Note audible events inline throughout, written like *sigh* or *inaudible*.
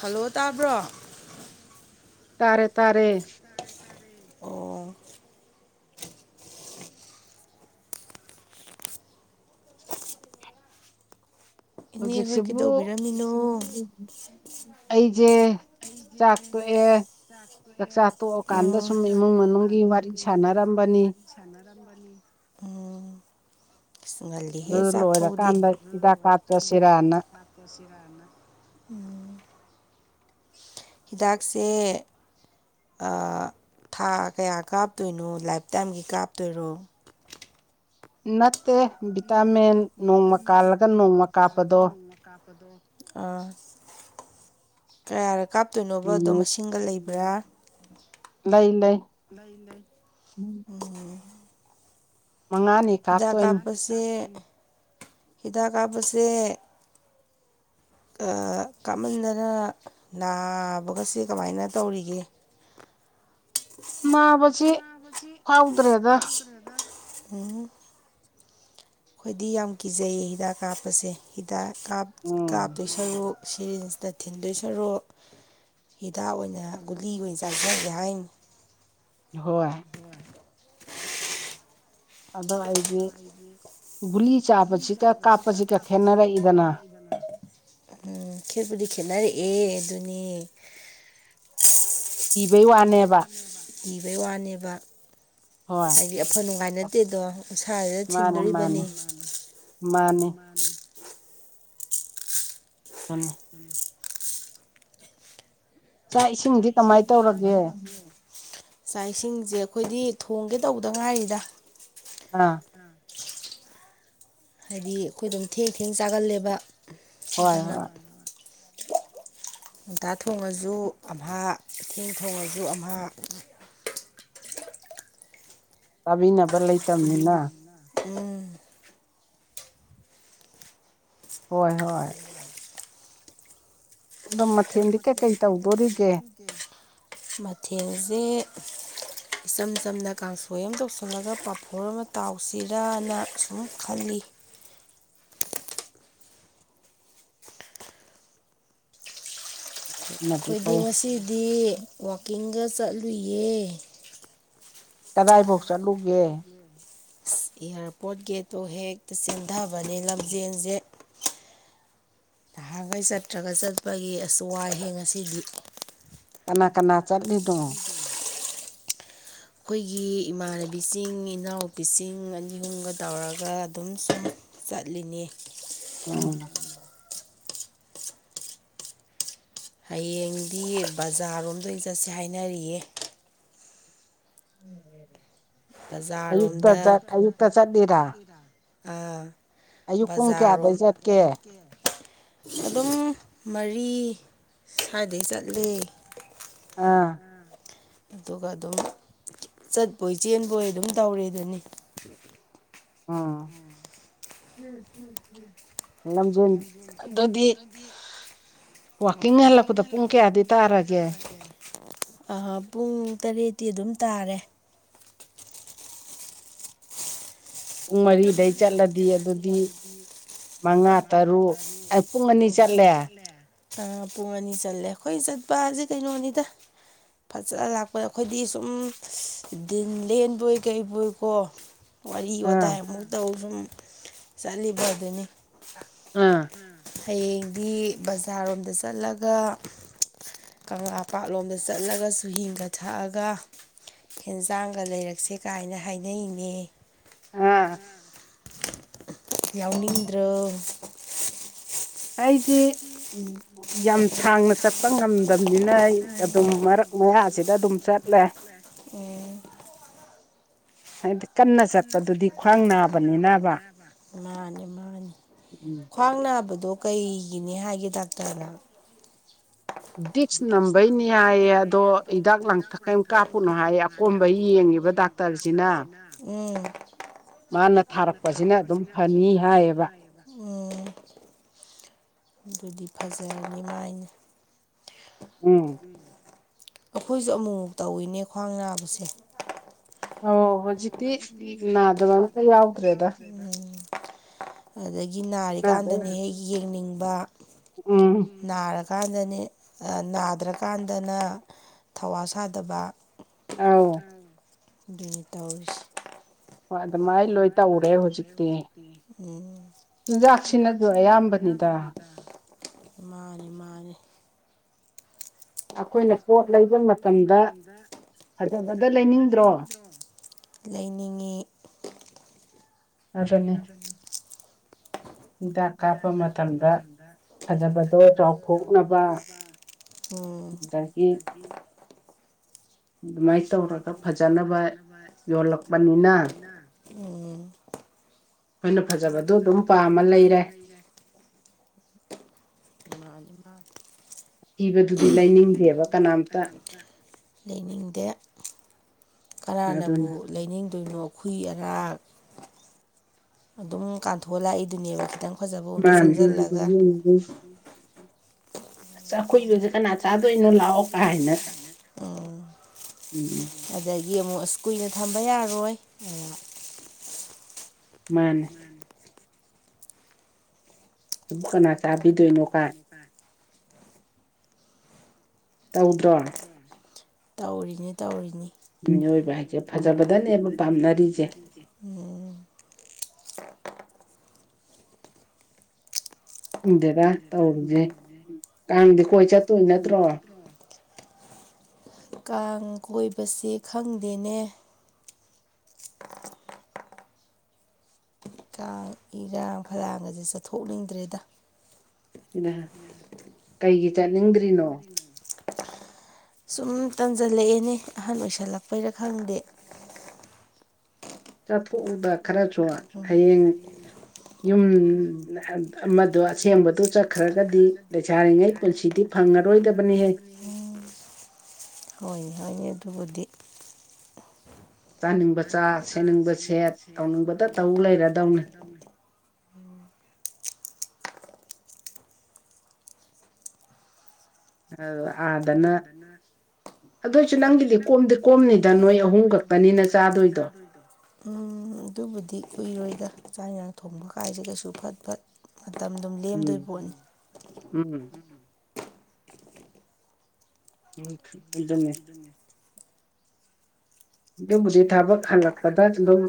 hello ꯇꯥꯕ꯭ꯔꯣ ꯇꯥꯔꯦ ꯇꯥꯔꯦ ꯑꯣ ꯏꯅꯦ ꯍꯣꯏ ꯍꯧꯖꯤꯛꯁꯤꯕꯨ ꯀꯩꯗꯧꯕꯤꯔꯝꯃꯤꯅꯣ ꯑꯩꯖꯦ ꯆꯥꯛ ꯇꯣꯛꯑꯦ ꯆꯥꯛꯆꯥ ꯇꯣꯛꯑꯀꯥꯟꯗ ꯎꯝ ꯁꯨꯝ ꯏꯃꯨꯡ ꯆꯥꯛꯄꯣꯛꯑꯒ ꯃꯅꯨꯡꯒꯤ ꯋꯥꯔꯤ ꯁꯥꯟꯅꯔꯝꯕꯅꯤ ꯁꯅꯥꯔꯝꯕꯅꯤ ꯎꯝ ꯏꯁ ꯉꯜꯂꯤ ꯍꯦ ꯑꯗꯨ ꯆꯥꯛꯐꯧꯗꯤ ꯂꯣꯏꯔꯀꯥꯟꯗ ꯑꯗꯨ ꯍꯤꯗꯥꯛ ꯂꯣꯏꯔꯀꯥꯟꯗ ꯀꯥꯞꯆꯁꯤꯔꯥꯅ ꯍꯤꯗꯥꯛ ꯀꯥꯞ *unintelligible* ꯁꯤꯔꯥꯅ ꯎꯝ ꯍꯤꯗꯥꯛꯁꯦ ꯑꯥ ꯊꯥ ꯀꯌꯥ ꯀꯥꯞꯇꯣꯏꯅꯣ ꯂꯥꯏꯞꯇꯥꯏꯝꯒꯤ ꯀꯥꯞꯇꯣꯏꯔꯣ ꯅꯠꯇꯦ ꯅꯠꯇꯦ ꯚꯤꯇꯥꯃꯤꯟ ꯅꯣꯡꯃ ꯚꯤꯇꯥꯃꯦꯟ ꯀꯥꯜꯂꯒ ꯅꯣꯡꯃ ꯀꯥꯜꯂꯒ ꯀꯥꯞꯄꯗꯣ ꯅꯣꯡꯃ ꯀꯥꯞꯄꯗꯣ ꯑꯥ ꯀꯌꯥꯔꯛ ꯀꯥꯞꯇꯣꯏꯅꯣꯕ ꯑꯗꯣ ꯅꯨꯃꯤꯠ ꯃꯥꯁꯤꯡꯒ ꯂꯩꯕ꯭ꯔꯥ ꯂꯩ ꯂꯩ ꯎꯝ ꯃꯉꯥꯅꯤ ꯍꯤꯗꯥꯛ ꯀꯥꯞꯇꯣꯏꯅꯤ ꯀꯥꯞꯄꯁꯦ ꯍꯤꯗꯥꯛ ꯀꯥꯞꯄꯁꯦ ꯀꯥ ꯀꯥꯃꯟꯗꯅ ꯅꯥꯕꯒꯁꯦ ꯀꯃꯥꯏꯅ ꯇꯧꯔꯤꯒꯦ ꯃꯥꯕꯁꯤ ꯐꯥꯎꯗ꯭ꯔꯦꯗ ꯎꯝ ꯈꯣꯏꯗꯤ ꯌꯥꯝ ꯀꯤꯖꯩꯌꯦ ꯍꯤꯗꯥꯛ ꯀꯥꯞꯄꯁꯦ ꯍꯤꯗꯥꯛ ꯀꯥꯞ ꯎꯝ ꯀꯥꯞꯇꯣꯏ ꯁꯔꯨꯛ ꯁꯤꯔꯤꯟꯁꯅ ꯊꯤꯟꯗꯣꯏ ꯁꯥꯔꯛ ꯍꯤꯗꯥꯛ ꯑꯣꯏꯅ ꯒꯨꯂꯤ ꯑꯣꯏꯅ ꯆꯥꯖꯒꯦ ꯍꯥꯏꯅꯤ ꯍꯣꯏ ꯑꯗꯣ ꯑꯩꯗꯤ ꯒꯨꯂꯤ ꯆꯥꯕꯁꯤꯒ ꯀꯥꯞꯄꯖꯤꯒ ꯈꯦꯠꯅꯔꯛꯏꯗꯅ ꯎꯝ ꯈꯦꯠꯄꯨꯗꯤ ꯈꯦꯅꯔꯛ ꯑꯦ ꯑꯗꯨꯅꯤ *inaudible* ꯋꯥꯅꯦꯕ ꯀꯤꯕꯩ ꯋꯥꯅꯦꯕ ꯍꯣꯏ ꯑꯐ ꯅꯨꯡꯉꯥꯏ ꯅꯠꯇꯦꯗꯣ ꯎꯟꯁꯥꯁꯤꯗ ꯃꯥꯅꯤ ꯃꯥꯅꯤ ꯊꯤꯟꯗꯧꯔꯤꯕꯅꯤ ꯃꯥꯅꯤ ꯃꯥꯅꯤ ꯎꯝ ꯆꯥꯛ ꯏꯁꯤꯡꯗꯤ ꯀꯃꯥꯏꯅ ꯇꯧꯔꯒꯦ ꯆꯥꯛ ꯏꯁꯤꯡꯁꯦ ꯑꯩꯈꯣꯏꯗꯤ ꯊꯣꯡꯒꯦ ꯇꯧꯗ ꯉꯥꯏꯔꯤꯗ ꯍꯥ ꯑꯥ ꯍꯥꯏꯗꯤ ꯑꯩꯈꯣꯏ ꯑꯗꯨꯝ ꯊꯦꯡ ꯊꯦꯡ ꯆꯥꯒꯜꯂꯦꯕ ꯍꯣꯏ ꯑꯗꯨꯅ ꯍꯣꯏ ꯉꯟꯇꯥ ꯊꯣꯡꯉꯁꯨ ꯑꯃꯍꯥ ꯊꯦꯡꯅ ꯊꯣꯡꯉꯁꯨ ꯑꯃꯍꯥ ꯆꯥꯕꯤꯅꯕ ꯂꯩꯇꯕꯅꯤꯅ ꯎꯝ ꯍꯣꯏ ꯍꯣꯏ ꯗꯣ ꯃꯊꯦꯜꯗꯤ ꯀꯩꯀꯩ ꯇꯧꯗꯣꯔꯤꯒꯦ *unintelligible* ꯃꯊꯦꯜꯖꯦ ꯏꯆꯝ ꯆꯝꯅ ꯀꯥꯡꯁꯣꯏ ꯑꯃ ꯇꯧꯁꯜꯂꯒ ꯄꯥꯐꯣꯔ ꯑꯃ ꯇꯥꯎꯁꯤꯔꯅ ꯁꯨꯝ ꯈꯜꯂꯤ ꯑꯗꯨꯅꯗꯤ ꯑꯩꯈꯣꯏꯗꯤ ꯐꯩ ꯉꯁꯤꯗꯤ ꯋꯥꯛꯀꯤꯡꯒ ꯆꯠꯂꯨꯏꯌꯦ ꯀꯗꯥꯏꯐꯥꯎ ꯆꯠꯂꯨꯒꯦ ꯏꯁ ꯏꯌꯥꯔꯄꯣꯔꯠ ꯒꯦꯠꯇꯣ ꯍꯦꯛꯇ ꯆꯦꯟꯗꯕꯅꯦ ꯂꯝꯖꯦꯟꯖꯦ ꯅꯍꯥꯟꯒꯩ ꯆꯠꯇ꯭ꯔꯒ ꯆꯠꯄꯒꯤ ꯑꯁ ꯋꯥꯏꯍꯦ ꯉꯁꯤꯗꯤ ꯀꯅꯥ ꯀꯅꯥ ꯆꯠꯂꯤꯅꯣ ꯑꯩꯈꯣꯏꯒꯤ ꯏꯃꯥꯟꯅꯕꯤꯁꯤꯡ ꯏꯅꯥꯎꯄꯤꯁꯤꯡ ꯑꯅꯤ ꯑꯍꯨꯝꯒ ꯇꯧꯔꯒ ꯑꯗꯨꯝ ꯁꯨꯝ ꯆꯠꯂꯤꯅꯦ ꯎꯝ ꯍꯌꯦꯡꯗꯤ ꯕꯖꯥꯔꯔꯣꯝꯗ ꯑꯣꯏꯅ ꯆꯠꯁꯦ ꯍꯥꯏꯅꯔꯤꯌꯦ ꯑꯌꯨꯛꯇ ꯕꯖꯥꯔꯔꯣꯝꯗ ꯆꯠ ꯑꯌꯨꯛꯇ ꯆꯠꯂꯤꯔꯥ ꯑꯥ ꯑꯌꯨꯛ ꯄꯨꯡ ꯕꯖꯥꯔꯔꯣꯝ ꯀꯌꯥꯗꯩ ꯆꯠꯀꯦ ꯑꯗꯨꯝ ꯃꯔꯤ ꯁꯥꯏꯗꯩ ꯆꯠꯂꯦ ꯑꯥ ꯑꯥ ꯑꯗꯨꯒ ꯑꯗꯨꯝ ꯆꯠꯄꯣꯏ ꯆꯦꯟꯕꯣꯏ ꯑꯗꯨꯝ ꯇꯧꯔꯦꯗꯨꯅꯤ ꯎꯝ ꯂꯝꯖꯦꯜ ꯑꯗꯨꯗꯤ ꯋꯥꯀꯤꯡ ꯍꯜꯂꯛꯄꯗ ꯄꯨꯡ ꯀꯌꯥꯗꯤ ꯇꯥꯔꯒꯦ ꯑꯥ ꯄꯨꯡ ꯇꯔꯦꯠꯇꯤ ꯑꯗꯨꯝ ꯇꯥꯔꯦ ꯄꯨꯡ ꯃꯔꯤꯗꯩ ꯆꯠꯂꯗꯤ ꯑꯗꯨꯗꯤ ꯃꯉꯥ ꯇꯔꯨꯛ ꯑꯩꯠ ꯄꯨꯡ ꯑꯅꯤ ꯆꯠꯂꯦ ꯑꯥ ꯄꯨꯡ ꯑꯅꯤ ꯆꯠꯂꯦ ꯑꯩꯈꯣꯏ ꯆꯠꯄꯖꯦ ꯀꯩꯅꯣꯅꯤꯗ ꯐꯖ ꯂꯥꯛꯄ ꯑꯩꯈꯣꯏꯗꯤ ꯁꯨꯝ ꯗꯤꯟ ꯂꯦꯟꯕꯣꯏ ꯀꯩꯕꯣꯏꯀꯣ *inaudible* ꯋꯥꯔꯤ ꯑꯥ ꯋꯥꯇꯥꯏ ꯑꯃꯨꯛ ꯇꯧ ꯁꯨꯝ ꯆꯠꯂꯤꯕꯗꯨꯅꯤ ꯑꯥ ꯍꯌꯦꯡꯗꯤ ꯕꯖꯥꯔꯔꯣꯝꯗ ꯆꯠꯂꯒ ꯀꯪꯂꯥ ꯄꯥꯠꯂꯣꯝꯗ ꯆꯠꯂꯒ ꯆꯨꯍꯤꯡꯒ ꯊꯛꯑꯥꯒ ꯍꯦꯟꯖꯥꯡꯒ ꯂꯩꯔꯛꯁꯦ ꯀꯥꯏꯅ ꯍꯥꯏꯅꯩꯅꯦ ꯑꯉꯥꯡ ꯌꯥꯎꯅꯤꯡꯗ꯭ꯔꯣ ꯑꯩꯗꯤ ꯎꯝ ꯌꯥꯝ ꯁꯥꯡꯅ ꯆꯠꯄ ꯉꯝꯗꯝꯅꯤꯅ ꯑꯩ ꯑꯗꯨꯝ ꯃꯔꯛ ꯃꯌꯥꯖꯤꯗ ꯑꯗꯨꯝ ꯆꯠꯂꯦ ꯎꯝ *inaudible* ꯍꯥꯏꯗꯤ ꯀꯟꯅ ꯆꯠꯄꯗꯨꯗꯤ ꯈ꯭ꯋꯥꯡ ꯅꯥꯕꯅꯤꯅꯕ ꯃꯥꯅꯤ ꯃꯥꯅꯤ ꯎꯝ ꯈ꯭ꯋꯥꯡ ꯅꯥꯕꯗꯣ ꯀꯩꯒꯤꯅꯦ ꯍꯥꯏꯒꯦ ꯗꯥꯛꯇꯔꯅ ꯗꯤꯛꯁ ꯅꯝꯕꯩꯅꯦ ꯍꯥꯏꯌꯦ ꯑꯗꯣ ꯍꯤꯗꯥꯛ ꯂꯥꯡꯊꯛ ꯀꯩꯝ ꯀꯥꯞꯄꯨꯅꯣ ꯍꯥꯏꯌꯦ ꯑꯄꯣꯝꯕ ꯌꯦꯡꯉꯣ ꯗꯥꯛꯇꯔꯖꯤꯅ ꯎꯝ ꯃꯥꯅ ꯊꯥꯔꯛꯄꯖꯤꯅ ꯑꯗꯨꯝ ꯐꯅꯤ ꯍꯥꯏꯕ ꯎꯝ ꯑꯗꯨꯗꯤ ꯐꯖꯔꯅꯤ ꯃꯥꯏꯅ ꯎꯝ ꯑꯈꯣꯏꯖꯨ ꯑꯃꯨꯛꯃꯨꯛ ꯇꯧꯋꯤꯅꯦ ꯈ꯭ꯋꯥꯡ ꯅꯥꯕꯁꯦ ꯑꯣ ꯍꯨꯖꯤꯛꯇꯤ ꯅꯥꯗꯕ ꯑꯝꯇ ꯌꯥꯎꯗ꯭ꯔꯦꯗ ꯎꯝ ꯑꯗꯒꯤ ꯅꯥꯗ ꯅꯥꯔꯤꯀꯥꯟꯗꯅ ꯍꯦꯛ ꯌꯦꯡꯅꯤꯡꯕ ꯎꯝ ꯎꯝ ꯅꯥꯔ ꯀꯥꯟꯗꯅꯦ ꯑ ꯅꯥꯗ꯭ꯔꯀꯥꯟꯗꯅ ꯊꯧꯋꯥ ꯁꯥꯗꯕ ꯑꯧ ꯑꯗꯨꯅꯤ ꯇꯧꯔꯤꯁꯤ ꯍꯣꯏ ꯑꯗꯨꯝꯃꯥꯏ ꯂꯣꯏ ꯇꯧꯔꯦ ꯍꯧꯖꯤꯛꯇꯤ ꯎꯝ ꯆꯤꯟꯖꯥꯛꯁꯤꯅꯖꯨ ꯑꯌꯥꯝꯕꯅꯤꯗ ꯃꯥꯅꯤ ꯃꯥꯅꯤ ꯑꯈꯣꯏꯅ ꯄꯣꯠ ꯂꯩꯕ ꯃꯇꯝꯗ ꯐꯖꯕꯗ ꯂꯩꯅꯤꯡꯗ꯭ꯔꯣ ꯂꯩꯅꯤꯡꯉꯤ ꯑꯗꯨꯅꯤ *inaudible* ꯍꯤꯗꯥꯛ ꯀꯥꯞꯄ ꯃꯇꯝꯗ ꯐꯖꯕꯗꯣ ꯐꯖꯕꯗꫭ ꯆꯥꯎꯊꯣꯛꯅꯕ ꯆꯥꯎꯊꫭꯛꯈꯤꯕ ꯎꯝ ꯑꯗꯒꯤ *unintelligible* ꯑꯗꯨꯝꯃꯥꯏ ꯇꯧꯔꯒ ꯐꯖꯅꯕ ꯌꯣꯜꯂꯛꯄꯅꯤꯅ ꯎꯝ ꯑꯈꯣꯏꯅ ꯐꯖꯕꯗꯣ ꯑꯗꯨꯝ ꯄꯥꯝꯃ ꯂꯩꯔꯦ ꯃꯥꯅꯤ *unintelligible* *unintelligible* ꯂꯩꯅꯤꯡꯗꯦꯕ ꯀꯅꯥꯝꯇ ꯂꯩꯅꯤꯡꯗꯦ ꯀꯅꯥꯅꯕꯨ ꯑꯗꯨꯅꯤ ꯂꯩꯅꯤꯡꯗꯣꯏꯅꯣ ꯑꯈꯨꯨꯏ ꯑꯔꯥꯛ ꯑꯗꯨꯝ ꯀꯥꯟꯊꯣꯛꯑ ꯂꯥꯛꯏꯗꯨꯅꯦꯕ ꯈꯤꯇꯪ ꯐꯖꯕ ꯑꯃꯗ ꯃꯥꯟꯅꯦ ꯆꯪꯁꯤꯜꯂꯒ *unintelligible* ꯑꯈꯨꯏꯕꯖꯦ ꯀꯥꯟꯅ ꯆꯥꯗꫭꯏꯅꫭꯅ *unintelligible* ꯎꯝ ꯎꯝ ꯎꯝ ꯑꯗꯒꯤ ꯑꯃꯨꯛ ꯏꯁ ꯀꯨꯏꯅ ꯊꯝꯕ ꯌꯥꯔꯣꯏ *unintelligible* ꯃꯥꯟꯅꯦ ꯃꯥꯟꯅꯦ ꯑꯗꯨꯕꫭ ꯀꯅꯥ ꯆꯥꯕꯤꯗꯣꯏꯅꯣ ꯒꯥꯏ *unintelligible* ꯇꯧꯗ꯭ꯔꯣ ꯇꯧꯔꯤꯅꯤ ꯇꯧꯔꯤꯅꯤ ꯃꯤꯑꯣꯏꯕ ꯍꯥꯏꯁꯦ ꯐꯖꯕꯗꯅꯦꯕ ꯄꯥꯝꯅꯔꯤꯖꯦ ꯎꯝ ꯈꯪꯗꯦꯗ ꯇꯧꯔꯤꯖꯦ ꯀꯥꯡꯗꯤ ꯀꯣꯏ ꯆꯠꯇꯣꯏ ꯅꯠꯇ꯭ꯔꯣ ꯀꯥꯡ ꯀꯣꯏꯕꯁꯦ ꯈꯪꯗꯦꯅꯦ ꯀꯥꯡ ꯏꯔꯥꯡ ꯐꯂꯥꯡꯒꯁꯦ ꯆꯠꯊꯣꯛꯅꯤꯡꯗ꯭ꯔꯦꯗ ꯗꯨꯅ ꯀꯩꯒꯤ ꯆꯠꯅꯤꯡꯗ꯭ꯔꯤꯅꯣ ꯁꯨꯝ ꯇꯟꯖꯜꯂꯛꯑꯦꯅꯦ ꯑꯍꯟ ꯑꯣꯏꯁꯜꯂꯛꯄꯩꯔꯥ ꯈꯪꯗꯦ ꯆꯊꯣꯛꯎꯗ ꯈꯔꯁꯨ ꯍꯌꯦꯡ ꯌꯨꯝ ꯅꯍꯥꯟ ꯑꯃꯗꯣ ꯑꯁꯦꯡꯕꯗꯨ ꯆꯠꯈ꯭ꯔꯒꯗꯤ ꯂꯩꯁꯥꯔꯤꯉꯩ ꯄꯨꯟꯁꯤꯗꯤ ꯐꯪꯉꯔꯣꯏꯗꯕꯅꯤꯍꯦ ꯍꯣꯏꯅꯦ ꯍꯣꯏꯅꯦ ꯑꯗꯨꯕꯨꯗꯤ ꯆꯥꯅꯤꯡꯕ ꯆꯥ ꯁꯦꯠꯅꯤꯡꯕ ꯁꯦꯠ ꯇꯧꯅꯤꯡꯕꯇ ꯇꯧ ꯂꯩꯔꯗꯧꯅꯤ ꯑ ꯑꯥꯗꯅ ꯑꯗꯨꯏꯁꯨ ꯅꯪꯒꯤꯗꯤ ꯀꯣꯝꯗꯤ ꯀꯣꯝꯅꯤꯗ ꯅꯣꯏ ꯑꯍꯨꯝꯈꯛ ꯈꯛꯇꯅꯤꯅ ꯆꯥꯗꯣꯏꯗꯣ ꯎꯝ ꯑꯗꯨꯕꯨꯗꯤ ꯀꯨꯏꯔꯣꯏꯗ ꯆꯥꯛ ꯌꯦꯟꯁꯥꯡ ꯊꯣꯡꯕ ꯀꯥꯏꯁꯤ ꯀꯩꯁꯨ ꯐꯠ ꯐꯠ ꯃꯇꯝ ꯗꯨꯝ ꯂꯦꯝꯗꯣꯏ ꯎꯝ ꯄꯣꯠꯅꯤ ꯎꯝ ꯎꯝ ꯑꯗꯨꯅꯦ ꯑꯗꯨꯕꯨꯖꯤꯛ ꯊꯕꯛ ꯍꯜꯂꯛꯄꯗꯥ ꯑꯗꯨꯝ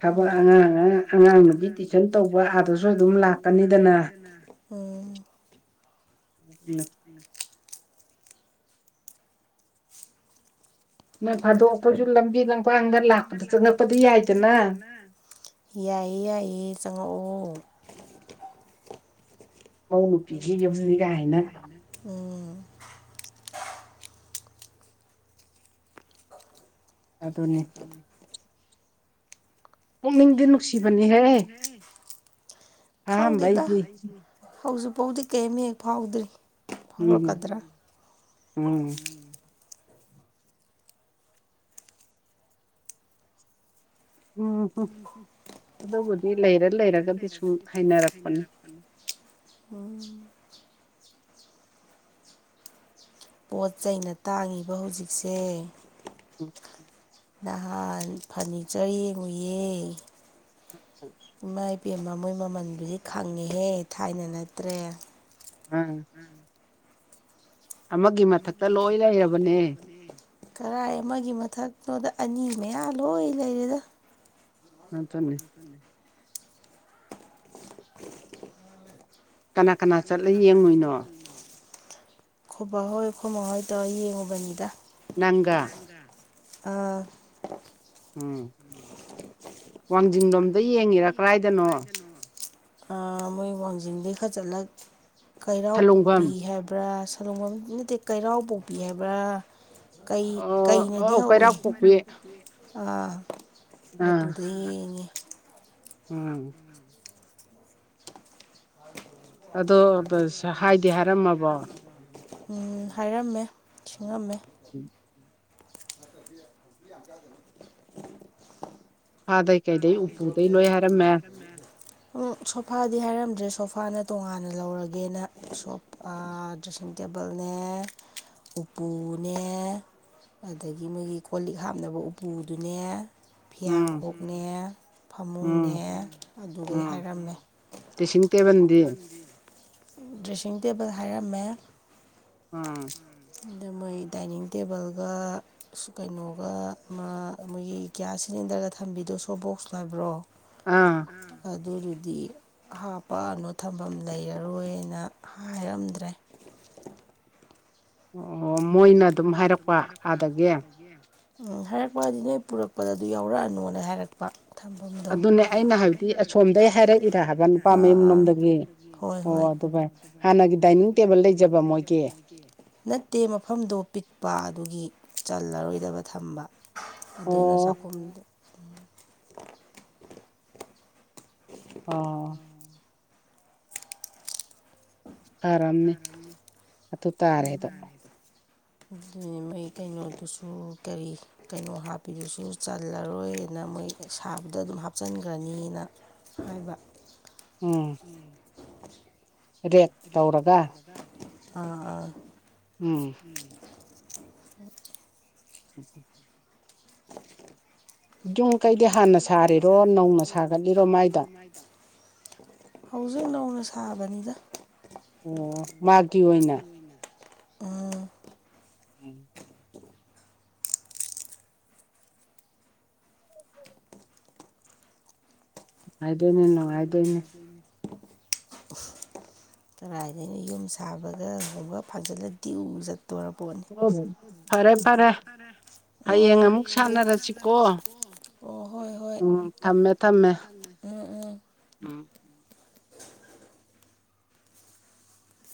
ꯊꯕꯛ ꯑꯉꯥꯡ ꯑꯉꯥꯡ ꯑꯉꯥꯡ ꯅꯨꯕꯤ ꯁꯤꯗꯁꯨ ꯇꯧꯕ ꯍꯥꯟꯅꯁꯨ ꯑꯗꯨꯝ ꯂꯥꯛꯀꯅꯤꯗꯅ ꯎꯝ ꯅꯨꯄꯤꯅ ꯅꯣꯡ ꯐꯥꯗꯣꯛ ꯑꯩꯈꯣꯏꯁꯨ ꯂꯝꯕꯤ ꯂꯝꯈꯥꯡꯗ ꯂꯥꯛꯄꯗ ꯆꯉꯛꯄꯗꯤ ꯌꯥꯏ ꯌꯥꯏꯗꯅꯥ ꯌꯥꯏꯌꯦ ꯌꯥꯏꯌꯦ ꯆꯪꯉꯛꯑꯣ ꯏꯃꯧ ꯅꯨꯄꯤꯒꯤ ꯌꯨꯝꯅꯤ ꯒꯥꯏꯅ ꯎꯝ ꯑꯗꯨꯅꯤ ꯅꯨꯡꯁꯤꯕꯅꯤꯍꯦ ꯈꯪꯗꯦꯗ ꯑꯍꯥꯟꯕꯩꯗꯤ ꯍꯧꯖꯤꯛꯐꯥꯎꯗꯤ ꯀꯦꯝ ꯍꯦꯛ ꯐꯥꯎꯗ꯭ꯔꯤ ꯎꯝ ꯐꯥꯎꯔꯛꯀꯗ꯭ꯔꯥ ꯎꯝ ꯎꯝꯍꯨꯝ ꯑꯗꯨꯕꯨꯗꯤ ꯂꯩꯔ ꯂꯩꯔꯒꯗꯤ ꯁꯨꯝ ꯍꯩꯅꯔꯛꯄꯅꯤ ꯎꯝ ꯄꯣꯠ ꯆꯩꯅ ꯇꯥꯡꯉꯤꯕ ꯍꯧꯖꯤꯛꯁꯦ ꯎꯝ ꯅꯍꯥꯟ ꯐꯔꯅꯤꯆꯔ ꯌꯦꯡꯉꯨꯏꯌꯦ ꯏꯃꯥꯏ ꯄꯦꯝꯃ ꯃꯣꯏ ꯃꯃꯜꯕꯨꯗꯤ ꯈꯪꯉꯤꯍꯦ ꯊꯥꯏꯅ ꯅꯠꯇ꯭ꯔꯦ ꯎꯝ ꯑꯃꯒꯤ ꯃꯊꯛꯇ ꯂꯣꯏ ꯂꯩꯔꯕꯅꯦ ꯀꯔꯥꯏ ꯑꯃꯒꯤ ꯃꯊꯛꯅꯣꯗ ꯑꯅꯤ ꯃꯌꯥ ꯂꯣꯏ ꯂꯩꯔꯦꯗ ꯑꯗꯨꯅꯤ ꯗꯨꯅꯤ ꯀꯅꯥ ꯀꯅꯥ ꯆꯠꯂ ꯌꯦꯡꯉꯨꯏꯅꯣ ꯈꯣꯏꯕꯥ ꯍꯣꯏ ꯈꯣꯏꯃꯥꯍꯣꯏ ꯇꯧꯔ ꯌꯦꯡꯉꯨꯕꯅꯤꯗ ꯅꯪꯒꯥ ꯑꯥ ꯎꯝ ꯋꯥꯡꯖꯤꯡ ꯂꯣꯝꯗ ꯌꯦꯡꯉꯤꯔ ꯀ꯭ꯔꯥꯏꯗꯅꯣ ꯑ ꯃꯣꯏ ꯋꯥꯡꯖꯤꯡꯗꯒꯩ ꯈꯔ ꯆꯠꯂ ꯀꯩꯔꯥꯎ ꯁꯂꯨꯡꯐꯝ ꯄꯣꯛꯄꯤ ꯍꯥꯏꯕ꯭ꯔꯥ ꯂꯣꯡꯕꯝ ꯅꯠꯇꯦ ꯀꯩꯔꯥꯎ ꯄꯣꯛꯄꯤ ꯍꯥꯏꯕ꯭ꯔꯥ ꯀꯩ ꯑꯣ ꯀꯩꯅꯗꯤ ꯑꯣ ꯍꯧꯋꯦ ꯀꯩꯔꯥꯛ ꯄꯣꯛꯄꯤ ꯑꯥ ꯑꯥ ꯑꯗꯨꯗ ꯌꯦꯡꯉꯦ ꯎꯝ ꯑꯗꯣ ꯍꯥꯏꯗꯤ ꯍꯥꯏꯔꯝꯃꯕꯣ ꯎꯝ ꯍꯥꯏꯔꯝꯃꯦ ꯁꯤꯡꯉꯝꯃꯦ ꯌꯥꯝ *unintelligible* ꯁꯣꯐꯥꯗꯩ ꯀꯩꯗꯩ ꯎꯄꯨꯗꯩ ꯂꯣꯏ ꯍꯥꯏꯔꯝꯃꯦ ꯁꯣꯐꯥꯗꯤ ꯍꯥꯏꯔꯝꯗ꯭ꯔꯦ ꯁꯣꯐꯥꯅ ꯇꯣꯉꯥꯟꯅ ꯂꯧꯔꯒꯦꯅ ꯁꯣ ꯑꯥ ꯗ꯭ꯔꯦꯁꯤꯡ ꯇꯦꯕꯜꯅꯦ ꯎꯄꯨꯅꯦ ꯑꯗꯒꯤ ꯅꯣꯏꯒꯤ ꯀꯣꯜ ꯂꯤꯛ ꯍꯥꯞꯅꯕ ꯎꯄꯨꯗꯨꯅꯦ ꯐꯤꯌꯥꯡ ꯎꯝ ꯈꯣꯛ ꯅꯦ ꯎꯝ ꯐꯃꯨꯡꯅꯦ ꯑꯗꯨꯒꯩ ꯎꯝ ꯍꯥꯏꯔꯝꯃꯦ ꯗ꯭ꯔꯦꯁꯤꯡ ꯇꯦꯕꯜꯗꯤ ꯗ꯭ꯔꯦꯁꯤꯡ ꯇꯦꯕꯜ ꯍꯥꯏꯔꯝꯃꯦ ꯎꯝ ꯑꯗ ꯃꯣꯏ ꯗꯥꯏꯅꯤꯡ ꯇꯦꯕꯜꯒ ꯀꯩꯅꯣꯒ ꯃꯥ ꯃꯣꯏꯒꯤ ꯒ꯭ꯌꯥꯁ ꯁꯤꯂꯤꯟꯗꯔꯒ ꯊꯝꯕꯤꯗꯣ ꯁꯣ ꯕꯣꯛꯁ ꯥꯍꯥꯏꯕ꯭ꯔꯣ ꯑꯥ ꯑꯗꯨꯗꯨꯗꯤ ꯍꯥꯄꯛ ꯑꯅꯣ ꯊꯝꯐꯝ ꯂꯩꯔꯔꯣꯏꯅ ꯍꯥꯏꯔꯝꯗ꯭ꯔꯦ ꯑꯣ ꯃꯣꯏꯅ ꯑꯗꯨꯝ ꯍꯥꯏꯔꯛꯄ ꯑꯥꯗꯒꯤ *inaudible* ꯎꯝ ꯍꯥꯏꯔꯛꯄ ꯑꯗꯤ ꯅꯣꯏ ꯄꯨꯔꯛꯄꯗ ꯑꯗꯨ ꯌꯥꯎꯔꯛ ꯑꯅꯨꯅ ꯍꯥꯏꯔꯛꯄ ꯊꯝꯕꯝꯗꯣ ꯑꯗꯨꯅꯦ ꯑꯩꯅ ꯍꯥꯏꯕꯗꯤ ꯑꯁꯣꯝꯗꯩ ꯍꯥꯏꯔꯛꯏꯔ ꯍꯥꯏꯕ ꯅꯨꯄꯥ ꯑꯥ ꯃꯌꯨꯝ ꯑꯥ ꯂꯣꯝꯗꯒꯤ ꯍꯣꯏ ꯍꯣꯏ ꯑꯣ ꯑꯗꯨ ꯍꯥꯟꯅꯒꯤ ꯗꯥꯏꯅꯤꯡ ꯇꯦꯕꯜ ꯂꯩꯖꯕ ꯃꯣꯏꯒꯤ ꯅꯠ ꯇꯦ ꯃꯐꯝꯗꯣ ꯄꯤꯛꯄ ꯑꯗꯨꯒꯤ ꯆꯜꯂꯔꯣꯏꯗꯕ ꯊꯝꯕ ꯑꯗꯨꯅ ꯑꯣ ꯆꯥꯛꯈꯨꯝ ꯑꯣ ꯐꯔꯝꯅꯤ ꯑꯗꯨ ꯇꯥꯔꯦꯗꯣ ꯑꯗꯨꯅꯤ ꯃꯣꯏ ꯀꯩꯅꯣꯗꯨꯁꯨ ꯀꯔꯤ ꯀꯩꯅꯣ ꯍꯥꯞꯄꯤꯗꯨꯁꯨ ꯆꯜꯂꯔꯣꯏꯅ ꯃꯣꯏ ꯁꯥꯕꯗ ꯑꯗꯨꯝ ꯍꯥꯞꯆꯟꯒ꯭ꯔꯅꯤꯅ ꯍꯥꯏꯕ ꯎꯝ ꯔꯦꯛ ꯇꯧꯔꯒ ꯑꯥ ꯑꯥ ꯎꯝ *inaudible* *inaudible* *unintelligible* ꯌꯨꯝ ꯀꯩꯗꯤ ꯍꯥꯟꯅ ꯁꯥꯔꯤꯔꯣ ꯅꯧꯅ ꯁꯥꯒꯠꯂꯤꯔꯣ ꯃꯥꯏꯗꯣ ꯍꯧꯖꯤꯛ ꯅꯧꯅ ꯁꯥꯕꯅꯤꯗ ꯃꯥꯒꯤ ꯑꯣꯏꯅ ꯑꯥ *unintelligible* ꯑꯗꯨꯅꯤ ꯅꯨꯡꯉꯥꯢꯗꯣꯏꯅꯤ *inaudible* ꯀꯔꯥꯏꯗꯩ ꯌꯨꯝ ꯁꯥꯕꯒ ꯂꯨꯍꯣꯡꯕꯒꯥ ꯐꯡꯖꯟꯂꯥ ꯗꯤꯎ ꯆꯠ *unintelligible* ꯑꯣ ꯐꯔꯦ ꯐꯔꯦ *unintelligible* ꯍꯌꯦꯡ ꯑꯃꯨꯛ ꯁꯥꯟꯅꯔꯖꯤꯀꯣ ꯎꯝ ꯊꯝꯃꯦ ꯊꯝꯃꯦ ꯎꯝ ꯎꯝ ꯎꯝ